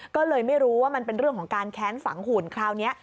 ก็เลยไม่รู้ว่ามันเป็นเรื่องของการแค้นฝังหุ่นคราวนี้